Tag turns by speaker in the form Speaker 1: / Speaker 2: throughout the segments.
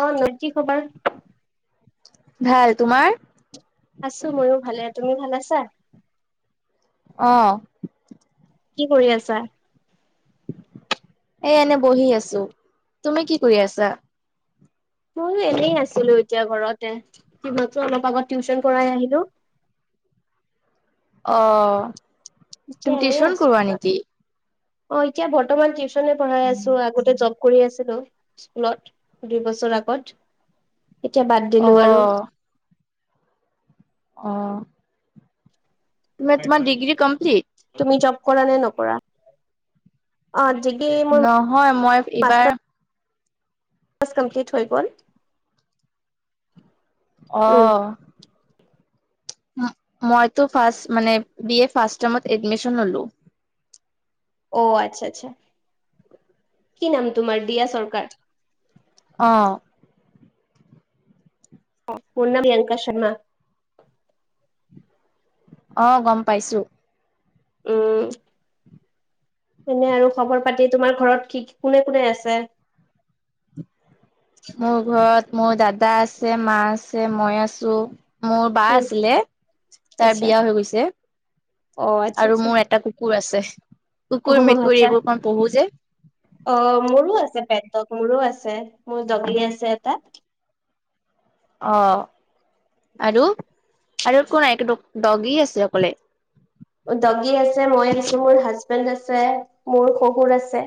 Speaker 1: অ নদী খবৰ
Speaker 2: ভাল তোমাৰ?
Speaker 1: আছো ময়ো ভালে, তুমি ভাল আছা।
Speaker 2: অ
Speaker 1: কি কৰি আছা?
Speaker 2: এ এনে বহি আছো, তুমি কি কৰি আছা?
Speaker 1: মইয়ো এনেই আাছিলো এতিয়া ঘৰতে কি মাত্ৰ অলপ আগতে টিউশচন কৰাই আহিলো
Speaker 2: অ
Speaker 1: এতিয়া
Speaker 2: তুমি
Speaker 1: এনেই
Speaker 2: টিউশন
Speaker 1: আছো
Speaker 2: কৰোৱা
Speaker 1: ঘৰত।
Speaker 2: নেকি?
Speaker 1: অ এতিয়া বৰ্তমান টিউচনে পঢ়াই আছো আগতে জব কৰি আছিলো। স্কুলত দুই বছৰ আগত এতিয়া বাদ দিলো আৰু
Speaker 2: অ' অঁ তোমাৰ কিমান ডিগ্ৰী কমপ্লিট?
Speaker 1: তুমি জব কৰা নে নকৰা? অ ডিগ্ৰী মোৰ
Speaker 2: নহয় মই এইবাৰ
Speaker 1: মাষ্টাৰ [inaudible] কমপ্লিট হৈ গ'ল -
Speaker 2: অ
Speaker 1: উম
Speaker 2: মইতো ফাছ মানে বিএ ফাৰ্ষ্ট ছেমত এডমিশ্যন ল'লোঁ
Speaker 1: অ আচ্ছা আচ্ছা কি নাম তোমাৰ দিয়া চৰকাৰ?
Speaker 2: অ
Speaker 1: মোৰ নাম য়ংকা শৰ্মা
Speaker 2: অ গম পাইছো
Speaker 1: উম এনে আৰু খবৰ পাতি তোমাৰ ঘৰত কি কোনে কোনে আছে?
Speaker 2: মোৰ ঘৰত মোৰ দাদা আছে মা আছে মই আছো মোৰ বা
Speaker 1: উম
Speaker 2: আছিলে তাৰ
Speaker 1: আচ্ছা
Speaker 2: বিয়া হৈ গৈছে
Speaker 1: অ আচ্ছা
Speaker 2: আৰু
Speaker 1: আচ্ছা
Speaker 2: মোৰ এটা কু কুৰ আছে
Speaker 1: অ
Speaker 2: কুকুৰ, মেকুৰ
Speaker 1: আচ্ছা
Speaker 2: এইবোৰ অকণ পুহো যে
Speaker 1: অ মোৰো আছে পেট ডগ মোৰো আছে মোৰ ডগি আছে এটাত
Speaker 2: অ আৰু আৰু একো নাই এইটো ডগ ডগী আছে অকলে
Speaker 1: ডগী আছে মই আছো মোৰ হাজবেণ্ড আছে মোৰ শহুৰ আছে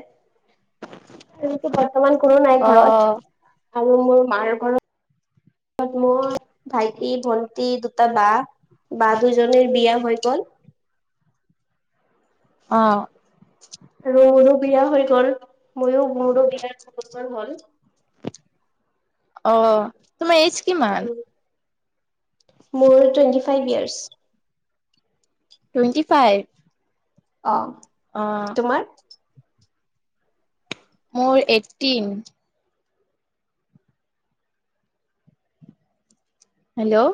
Speaker 1: মোৰতো‌ বৰ্তমান কোনো নাই ঘৰত
Speaker 2: অ',
Speaker 1: আৰু মোৰ মাৰ ঘৰত মই, ভাইটি, ভন্টি, দুটা বা বা দুজনীৰ বিয়া হৈ গ'ল
Speaker 2: অ
Speaker 1: আৰু মোৰো বিয়া হৈ গল ময়ো মোৰো বিয়াৰ বিছ বছৰ হ'ল।
Speaker 2: অ তোমাৰ এইজ কিমান?
Speaker 1: মোৰ twenty five years.
Speaker 2: Twenty five অ',
Speaker 1: অহ তোমাৰ।
Speaker 2: মোৰ eighteen hello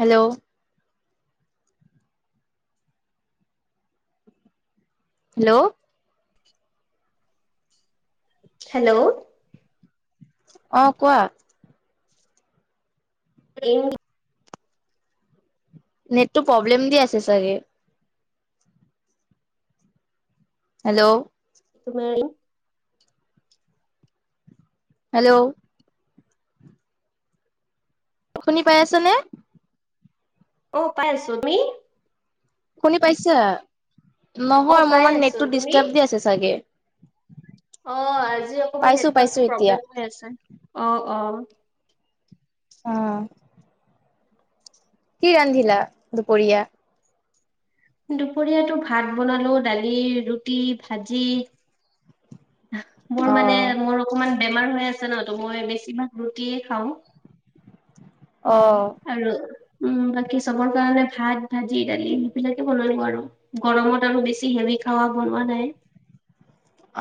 Speaker 2: hello hello
Speaker 1: hello
Speaker 2: অ কোৱা?
Speaker 1: এই
Speaker 2: নেটটো প্ৰব্লেম দি আছে চাগে। হেল্ল'
Speaker 1: তোমাৰ এই
Speaker 2: হেল্ল' শুনি পাই আছ নে?
Speaker 1: অ পাই আছো। তুমি?
Speaker 2: শুনি পাইছা?
Speaker 1: অ
Speaker 2: নহয় মোৰ
Speaker 1: পাই
Speaker 2: মানে
Speaker 1: আছো
Speaker 2: নেটটো
Speaker 1: তুমি
Speaker 2: ডিষ্টাৰ্ব দি আছে চাগে।
Speaker 1: অহ আজি অকমান
Speaker 2: পাইছো পাইছো
Speaker 1: নেটৱৰ্ক
Speaker 2: এতিয়া
Speaker 1: প্ৰব্লেম হৈ আছে, অ অ।
Speaker 2: অহ। কি ৰান্ধিলা দুপৰীয়া?
Speaker 1: দুপৰীয়াটো ভাত বনালো দালি, ৰুটি ভাজি। মোৰ মানে
Speaker 2: অ',
Speaker 1: মোৰ অকমান বেমাৰ হৈ আছে ন ত মই বেছিভাগ ৰুটিয়ে খাওঁ। অ
Speaker 2: অহ।
Speaker 1: আৰু উম বাকী চবৰ কাৰণে ভাত ভাজি দালি সেইবিলাকে বনালো আৰু। গৰমত আৰু বেছি হেভি খাৱা বনোৱা নাই।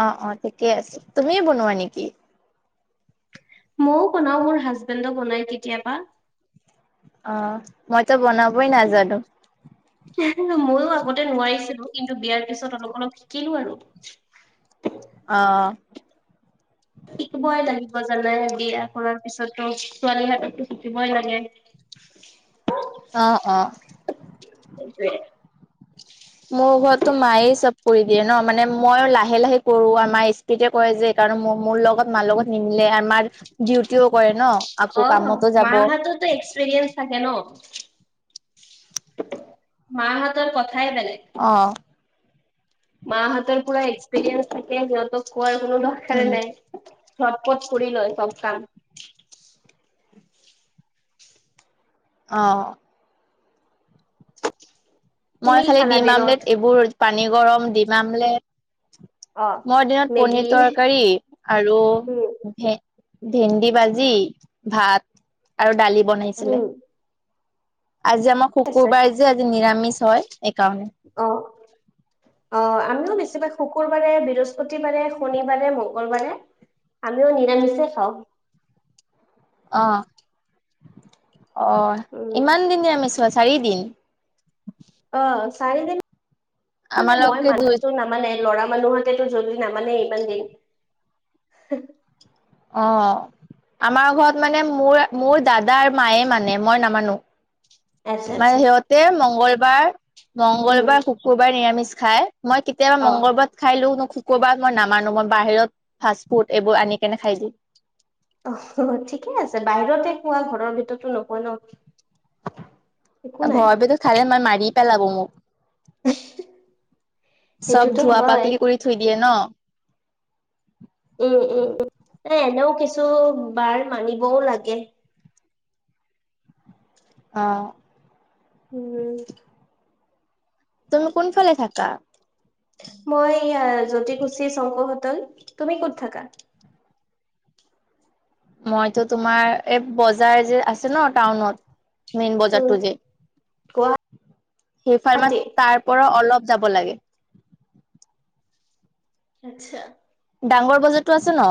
Speaker 2: অ অ ঠিকে আছে, তুমি বনোৱা নেকি?
Speaker 1: মইও বনাও মোৰ হাজবেণ্ডো বনাই কেতিয়াবা।
Speaker 2: অহ মইতো বনাবই নাজানো।
Speaker 1: ময়ো আগতে নোৱাৰিছিলো কিন্তু বিয়াৰ পিছত অলপ অলপ শিকিলো আৰু।
Speaker 2: অহ।
Speaker 1: শিকিবই লাগিব জানে বিয়া কৰাৰ পিছতো ছোৱালী হাততো শিকিবই লাগে। [unintelligible]
Speaker 2: অ অ।
Speaker 1: সেটোৱে।
Speaker 2: মোৰ ঘৰতো মায়ে চব কৰি দিয়ে ন মানে মই লাহে লাহে কৰো আৰু মাই স্পিতে- কৰে যে কাৰণ ম মোৰ লগত মাৰ লগত নিমিলে মাৰ ডিউটিও কৰে ন। আকৌ
Speaker 1: অহ
Speaker 2: কামতো যাব
Speaker 1: মাহতটো এক্সপিৰিয়েঞ্চ থাকে ন। মা হেতৰ কথা বেলেগ।
Speaker 2: অহ।
Speaker 1: মা হেঁতৰ পুৰা এক্সপেৰিয়েঞ্চ থাকে সিহঁতক কোৱাৰ কোনো দৰকাৰে
Speaker 2: উম
Speaker 1: নাই। চটপট কৰি লয় চব কাম।
Speaker 2: অহ।
Speaker 1: তুমি
Speaker 2: মই
Speaker 1: কি
Speaker 2: খালি
Speaker 1: খালা
Speaker 2: দিম
Speaker 1: দিনত
Speaker 2: আমলেট এইবোৰ পানী গৰম দিম আমলেট।
Speaker 1: অ
Speaker 2: মোৰ দিনত পনীৰ
Speaker 1: মেগী
Speaker 2: তৰকাৰী আৰু
Speaker 1: উম
Speaker 2: ভে- ভেন্দি ভাজি ভাত আৰু দালি
Speaker 1: উম
Speaker 2: বনাইছিলে। আজি আমাৰ
Speaker 1: ঠিক আছে
Speaker 2: শুকুৰবাৰে যে আজি নিৰামিষ হয় সেকাৰণে।
Speaker 1: অহ। অহ আমিও বেছিভাগ শুকুৰবাৰে, বৃহস্পতিবাৰে, শনিবাৰে, মংগলবাৰে আমিও নিৰামিষেই খাওঁ।
Speaker 2: অ অ
Speaker 1: উম
Speaker 2: ইমান দিনে মেছোৱা চাৰিদিন।
Speaker 1: অ চাৰিদিন মানে মই
Speaker 2: আমালোকে
Speaker 1: মানো
Speaker 2: দুই
Speaker 1: সেজন নামানে লৰা মানুহৰ তেটো জৰুৰী নামানে ইমান দিন।
Speaker 2: অঁহ, আমাৰ ঘৰত মানে মোৰ মোৰ দাদা আৰু মায়ে মানে মই নামানো।
Speaker 1: আচ্ছা
Speaker 2: মানে
Speaker 1: আচ্ছা
Speaker 2: সিহঁতে মংগলবাৰ,
Speaker 1: উম
Speaker 2: মংগলবাৰ শুকুৰবাৰ। নিৰামিষ খাই মই কেতিয়াবা
Speaker 1: অ
Speaker 2: মংগল বাৰ খাই লো নো ক'ৰবাত মই নামানো মই বাহিৰত ফাষ্ট ফুড এইবোৰ আনি কেনে খাই দিয়ো।
Speaker 1: অহ ঠিকে আছে, বাহিৰতে খোৱা ঘৰৰ ভিতৰতো নোখোৱা ন। একো নাই
Speaker 2: ঘৰৰ ভিতৰত খালে মাই মাৰি পেলাব মোক। চব
Speaker 1: সেইটোতো
Speaker 2: ধোৱা
Speaker 1: হয়
Speaker 2: পাকলি কৰি থৈ দিয়ে ন।
Speaker 1: উম উম উম এ এনেও কিছু বাৰ মানিবও লাগে।
Speaker 2: অঁহ।
Speaker 1: উমঁ।
Speaker 2: তুমি কোনফালে থাকা।
Speaker 1: মই জুতি খুছী শংকৰ সোতেল তুমি কত থাকা।
Speaker 2: মইতো তোমাৰ এই বজাৰ যে আছে ন টাউনত মেইন
Speaker 1: উম
Speaker 2: বজাৰতটো যে। সেইফাৰ্মাত
Speaker 1: গুৱাহাটী
Speaker 2: তাৰ পৰা অলপ যাব লাগে।
Speaker 1: আচ্ছা।
Speaker 2: ডাঙৰ বজাৰ তো আছে ন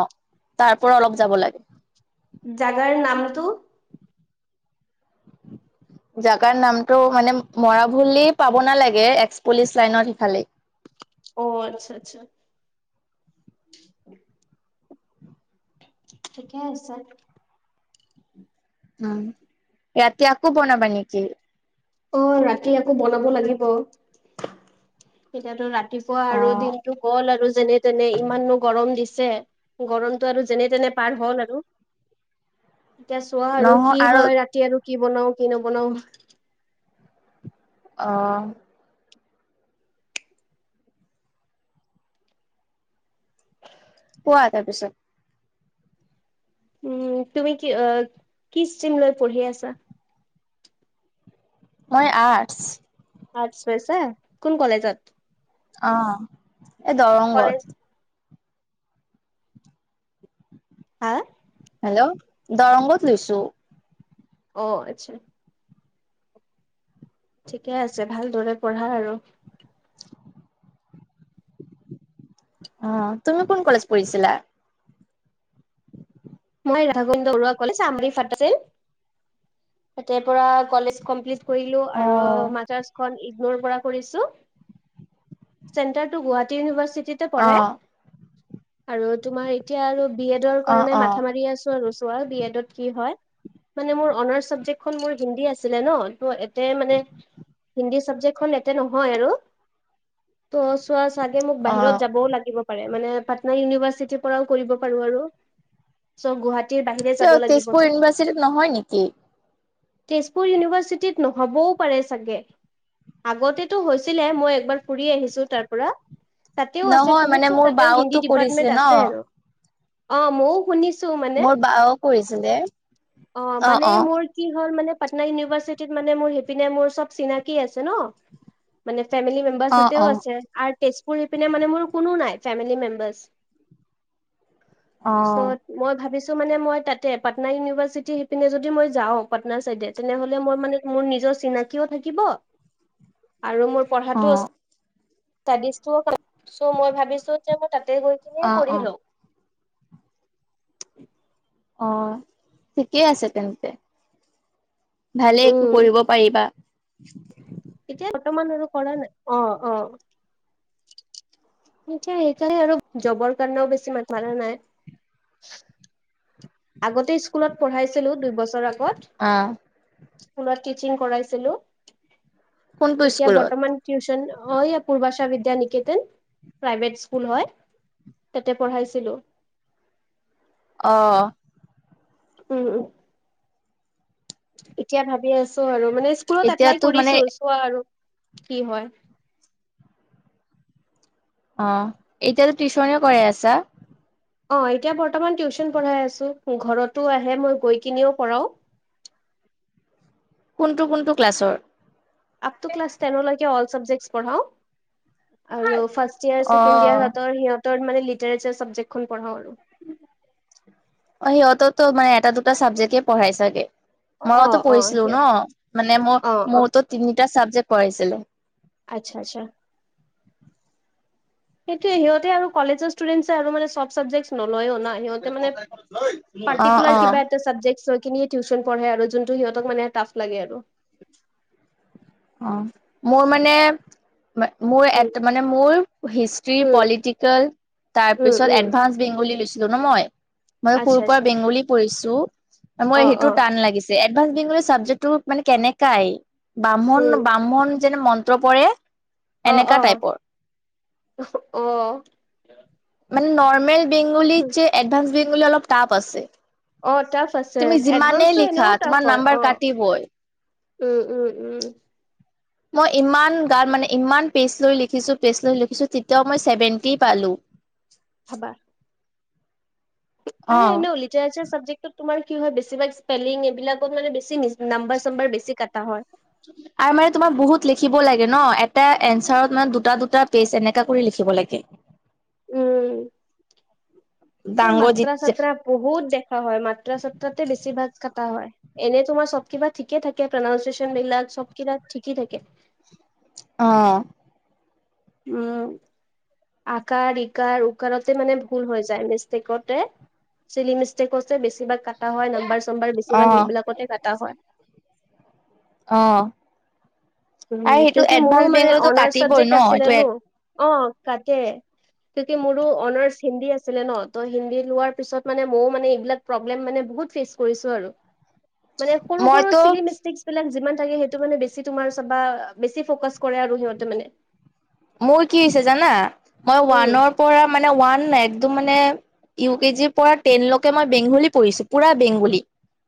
Speaker 2: তাৰ পৰা অলপ যাব লাগে।
Speaker 1: জাগাৰ নামটো।
Speaker 2: জাগাৰ নামতটো মানে মৰা বুলি পাব নালাগে এক্স পুলিচ লাইনত সিফালে।
Speaker 1: অ আচ্ছা আচ্ছা। ঠিকে আছে।
Speaker 2: উম ৰাতি আকৌ বনাবা নেকি।
Speaker 1: অ ৰাতি আকৌ বনাব লাগিব। তেতিয়াতো ৰাতিপুৱা
Speaker 2: অ
Speaker 1: আৰু দিনটো। গ'ল আৰু যেনে তেনে ইমাননো গৰম দিছে গৰমতটো আৰু যেনে তেনে পাৰ হ'ল আৰু এতিয়া চোৱা আৰু কি হয় ৰাতি আৰু কি বনাও কি নবনাও,
Speaker 2: অ কোৱা তাৰ পিছত।
Speaker 1: উম তুমি কি কি ষ্ট্ৰিম লৈ পঢ়ি আছা।
Speaker 2: মই আৰ্টছ,
Speaker 1: আৰ্টছ লৈছে কোন কলেজত।
Speaker 2: অঁ এ
Speaker 1: কলেজ
Speaker 2: দৰংগত,
Speaker 1: হাঁ,
Speaker 2: হেল্ল, দৰংগত লৈছো।
Speaker 1: অ আচ্ছা। ঠিকে আছে ভালদৰে পঢ়া আৰু
Speaker 2: [inaudible] অঁ তুমি কোন কলেজ পঢ়িছিলা।
Speaker 1: মই ৰাধাকুন্দৰুৱা কলেজ আমৰি ফ তা পৰা কলেজ কমপ্লিট, কৰিলো
Speaker 2: অ
Speaker 1: আৰু মাজ মই ইকনৰ পৰা কৰিছো চেন্টাৰ তো গুৱাহাটীৰ ইউনিভাৰচিটিত,
Speaker 2: অ
Speaker 1: কৰে আৰু তোমাৰ এতিয়া আৰু বি এড
Speaker 2: অ
Speaker 1: কাৰণে
Speaker 2: অ
Speaker 1: মা মাৰি আছো আৰু চোৱা বি এডত কি হয়। মানে মোৰ অনাৰ্চ ছাবজেক্টখন মোৰ হিন্দী আছিলে ন ত', তে মানে হিন্দী চাবজেক্টখন এয়াতে নহয় আৰু ত' চোৱা চাগে মোক
Speaker 2: অ
Speaker 1: বাহিৰত যাবও লাগিব পাৰে মানে পাটনা ইউনিভাৰ্চিটিৰ পৰাও কৰিব পাৰো আৰু চ'গুৱাহাটীৰ বাহিৰে যাব
Speaker 2: কিয়
Speaker 1: লাগিব
Speaker 2: তেজপুৰ
Speaker 1: চাগে।
Speaker 2: ইউনিভাৰ্চিটিত নহয় নেকি
Speaker 1: তেজপুৰ ইউনিভাৰ্চিটিত নহ'বও পাৰে চাগে। আগতেটো হৈছিলে মই একবাৰ ফুৰি আহিছো তাৰ পৰা। তাতেও আছে
Speaker 2: নহয় মানে
Speaker 1: শুনিছো
Speaker 2: মোৰ
Speaker 1: তাতেও হিন্দী
Speaker 2: বাওতো কৰিছিলে
Speaker 1: ডিপাৰ্টমেন্ট
Speaker 2: ন
Speaker 1: আছে আৰু অ মইও শুনিছো। [unintelligible] মানে,
Speaker 2: মোৰ বাও কৰিছিলে।
Speaker 1: অৱ
Speaker 2: অ',
Speaker 1: মানে
Speaker 2: অ',
Speaker 1: মোৰ। কি হ'ল মানে পাটনা ইউনিভাৰ্চিটিত মানে মোৰ সেইপিনে মোৰ চব চিনাকি আছে ন। মানে ফেমিলি মেম্বাৰ্চ
Speaker 2: অ',
Speaker 1: হেতেও
Speaker 2: অ',
Speaker 1: আছে আৰু তেজপুৰ সিপিনে মানে মোৰ কোনো নাই ফেমিলি মেম্বাৰ্চ।
Speaker 2: অ',
Speaker 1: চত মই ভাবিছো মানে মই তাতে পাটনা ইউনিভাৰ্চিটি সি পিনে যদি মই যাওঁ পাটনাৰ চাইডে- তেনেহলে মোৰ মানে মোৰ নিজৰ চিনাকিও থাকিব আৰু মোৰ। পঢ়াটো
Speaker 2: অ',
Speaker 1: ইষ্টিজ চ' মই ভাবিছো যে মই তাতে গৈ, ন
Speaker 2: অ', অ'।
Speaker 1: পঢ়িলো [unintelligible]
Speaker 2: অঁ ঠিকেই আছে তেন্তে। ভালে একো
Speaker 1: উম,
Speaker 2: কৰিব পাৰিবা।
Speaker 1: এতিয়া বৰ্তমান আৰু কৰা নাই, অঁ অঁ এতিয়া সেইকাৰণে আৰু জবৰ কাৰণেও বেছি মাথা নাই- আগতে স্কুলত পঢ়াইছিলো দুইবছৰ আগত।
Speaker 2: অঁ
Speaker 1: ফোনত টিচিং কৰাইছিলো,
Speaker 2: কোনটো
Speaker 1: এতিয়া
Speaker 2: স্কুলত
Speaker 1: বৰ্তমান- টিউচন হয় পূৰ্বাশা বিদ্যা নিকেতন প্ৰাইভেট স্কুল হয়। তাতে পঢ়াইছিলোঁ
Speaker 2: অ
Speaker 1: উম উম এতিয়া ভাবি আছো আৰু মানে স্কুলত এপ্লাই
Speaker 2: এতিয়াতো মানে
Speaker 1: কৰিছো চোৱা আৰু কি হয়।
Speaker 2: অঁ, এতিয়াতো টিউশনেও কৰাই আছা?
Speaker 1: অঁ এতিয়া বৰ্তমান টিউশচন পঢ়াই আছো ঘৰতো আহে মই গৈ কিনেও কৰাওঁ।
Speaker 2: কোনটো কোনটো ক্লাছৰ।
Speaker 1: আপতু ক্লাচ তেনৰলৈকে অল চাবজেক্ট পঢ়াও। আৰু ফাৰ্ষ্ট ইয়াৰ ছেকেণ্ড
Speaker 2: অ',
Speaker 1: ইয়াৰ সিহঁতৰ মানে লিটাৰেচাৰ চাবজেক্ট খন পঢ়াও।
Speaker 2: অঁ সিহঁততো মানে এটা দুটা চাবজেক্টে পঢ়াই চাগে।
Speaker 1: অ
Speaker 2: মইওতো
Speaker 1: অ
Speaker 2: পঢ়িছিলো
Speaker 1: সিহঁত
Speaker 2: ন মানে মোৰ
Speaker 1: অ অ
Speaker 2: মোৰতো তিনিটা চাবজেক্ট পঢ়াইছিলে।
Speaker 1: আচ্ছা আচ্ছা। সেইটো সিহঁতে আৰু কলেজৰ ষ্টুডেন্টছে আৰু মানে চব চাবজেক্ট নলয়ও না। সিহঁতে মানে
Speaker 2: অ',
Speaker 1: পাৰ্টিকোলাৰ
Speaker 2: অ'।
Speaker 1: কিবা- চাবজেক্টৰ খিনি টিউচন পঢ়ে আৰু যোনটো সিহঁতক মানে টাফ লাগে আৰু।
Speaker 2: অঁ মোৰ মানে- মোৰ
Speaker 1: উম,
Speaker 2: মানে মোৰ হিষ্টি
Speaker 1: উম,
Speaker 2: পলিটিকেল
Speaker 1: উম,
Speaker 2: তাৰপিছত
Speaker 1: উম,
Speaker 2: এডভান্স- বেংগলী লৈছিলো ন মই, মই
Speaker 1: আচ্ছা
Speaker 2: সৰুৰ পৰা
Speaker 1: আচ্ছা
Speaker 2: বেংগলী পঢ়িছো
Speaker 1: অ',
Speaker 2: মোৰ সেইটো
Speaker 1: অ',
Speaker 2: টান লাগিছে। এডভান্স মেট চাবজেক্টটো মানে কেনেকাই, বামণ
Speaker 1: উম,
Speaker 2: বামণ- যেনে মন্ত্ৰ পঢ়ে।
Speaker 1: অ অ, অ, অহ ও
Speaker 2: মানে নৰ্মেল বেংগলী যে এডভান্স বেংগলী অলপ টাফ আছে।
Speaker 1: অ টাফ আছে,
Speaker 2: তুমি
Speaker 1: এডভান্স
Speaker 2: যিমানেই
Speaker 1: টো
Speaker 2: লিখা
Speaker 1: এনেও টাফ
Speaker 2: তোমাৰ
Speaker 1: হয়
Speaker 2: নাম্বাৰ
Speaker 1: অঁ।
Speaker 2: কাটিবই
Speaker 1: উম উম উম
Speaker 2: মই ইমান গান মানে ইমান পেজ লৈ লিখিছো পেজ লৈ লিখিছো তেতিয়াও মই ছেভেণ্টি পালো।
Speaker 1: খাবা আৰু
Speaker 2: অ
Speaker 1: এনেও- যাৰ যাৰ চাবজেক্টটো তোমাৰ কি হয়, বেছিভাগ স্পেলিং এইবিলাকত মানে বেছি নাম্বাৰ চম্বাৰ বেছি কাটা হয়।
Speaker 2: [unintelligible] আৰু মানে তোমাৰ বহুত লিখিব লাগে ন এটা এনঞ্চাৰত মানে দুটা দুটা পেজ এনেকা কৰি লিখিব লাগে।
Speaker 1: উম, সেই
Speaker 2: ডাঙৰ যি
Speaker 1: মাত্ৰা চাত্ৰা- বহুত দেখা হয় মাত্ৰা চাত্ৰাতে বেছি ভাগ কাটা হয়। এনেই তোমাৰ চব কিবা ঠিকে থাকে প্ৰনাউনচিয়েচন বিলাক চব কিবা ঠিকেই থাকে।
Speaker 2: অঁ
Speaker 1: উম আকাৰ ইকাৰ উকাৰতে মানে ভুল হৈ যায় মিষ্টেকতে। চিলি মিষ্টেকছে বেছিভাগ কাটা হয় নাম্বাৰ চম্বাৰ
Speaker 2: অ
Speaker 1: বেছিভাগ সেইবিলাকতে কটা হয়।
Speaker 2: অ আৰু
Speaker 1: উম
Speaker 2: সেইটো
Speaker 1: কিউ কি মোৰো
Speaker 2: এডভান্স
Speaker 1: মানে
Speaker 2: বেংগলতো
Speaker 1: অনাৰ
Speaker 2: কাটিবই ন
Speaker 1: চাবজেক্ট
Speaker 2: এইটো
Speaker 1: আছিলে নো অঁ তাকে- কি কি মোৰো অনাৰ্চ হিন্দী আছিলে ন ত হিন্দী লোৱাৰ পিছত মানে মইও মানে এইবিলাক প্ৰব্লেম মানে বহুত ফেচ কৰিছোঁ আৰু মানে সৰু সৰু
Speaker 2: মইতো
Speaker 1: চিলি মিষ্টেক বিলাক যিমান থাকে সেইটো মানে বেছি তোমাৰ চাবা বেছি ফকাচ কৰে আৰু সিহঁতে মানে।
Speaker 2: মোৰ কি হৈছে জানা? মই
Speaker 1: উম,
Speaker 2: ওৱানৰ পৰা মানে ওৱানাই একদম মানে ইউ কে জিৰ পৰা টেনলৈকে মই বেংগলী পঢ়িছো পুৰা বেংগলী।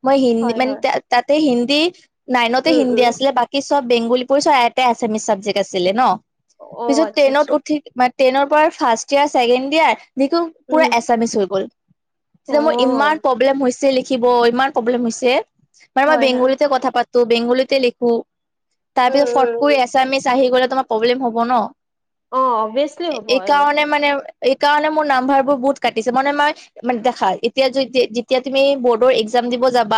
Speaker 2: মই হিন্দী
Speaker 1: হয় হয়।
Speaker 2: মানে তাতে হিন্দী নাইনতে
Speaker 1: উম
Speaker 2: হিন্দী
Speaker 1: উম।
Speaker 2: আছিলে বা কি চব বেংগলী পৰিছ এটাই এচামিছ চাবজেক্ট আছিল ন।
Speaker 1: অ'
Speaker 2: পিছত
Speaker 1: আচ্ছা আচ্ছা।
Speaker 2: ট্ৰেইনত উঠি মানে ট্ৰেইনৰ পৰাই ফাৰ্ষ্ট ইয়াৰ, ছেকেণ্ড ইয়াৰ যিকো পুৰা
Speaker 1: উম,
Speaker 2: এছামিচ হৈ গ'ল। তেতিয়া মোৰ ইমান
Speaker 1: অ'
Speaker 2: প্ৰব্লেম হৈছে লিখিব ইমান প্ৰব্লেম হৈছে। মানে মই
Speaker 1: হয় হয়।
Speaker 2: বেংগলীতে কথা পাতো বেংগলীতে লিখো
Speaker 1: উম
Speaker 2: তাৰপিছত
Speaker 1: উম
Speaker 2: ফট কোই
Speaker 1: উম।
Speaker 2: এছামিছ আহি গ'লে তোমাৰ প্ৰব্লেম হ'ব ন।
Speaker 1: অ অভিচ
Speaker 2: এইকাৰণে মানে এই কাৰণে মোৰ নাম্ভাৰবোৰ বহুত কাটিছে মানে মই মানে দেখা এতিয়া যে যে যেতিয়া তুমি বৰ্ডৰ একজাম দিব যাবা